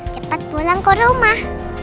cepat pulang ke rumah